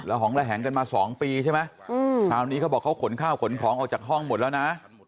หองระแหงกันมา๒ปีใช่ไหมคราวนี้เขาบอกเขาขนข้าวขนของออกจากห้องหมดแล้วนะ